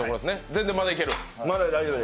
全然まだいける？